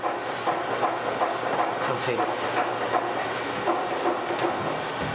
完成です。